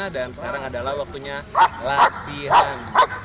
dan sekarang adalah waktunya latihan